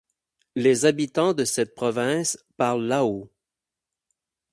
Les habitants de cette province parlent lao.